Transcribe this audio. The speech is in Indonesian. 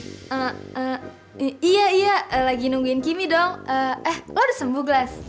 eh eh iya iya lagi nungguin kimi dong eh lo udah sembuh glass